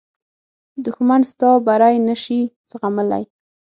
دښمن ستا بری نه شي زغملی